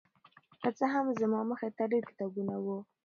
که څه هم زما مخې ته ډېر کتابونه وو